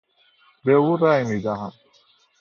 به او رای میدهم.